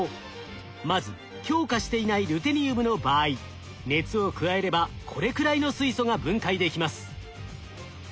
まず強化していないルテニウムの場合熱を加えればこれくらいの水素が分解できます。